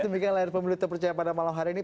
demikian layar pemilu terpercaya pada malam hari ini